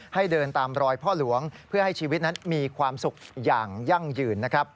ให้เดินตามรอยพ่อหลวงเพื่อให้ชีวิตนั้นมีความสุขอย่างยั่งยืนนะครับ